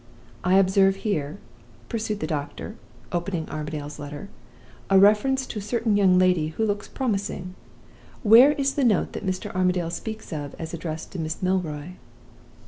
I observe here,' pursued the doctor, opening Armadale's letter, 'a reference to a certain young lady, which looks promising. Where is the note that Mr. Armadale speaks of as addressed to Miss Milroy?